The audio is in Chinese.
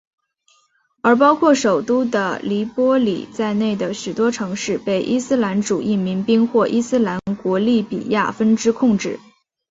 而包括首都的黎波里在内的许多城市被伊斯兰主义民兵或伊斯兰国利比亚分支控制。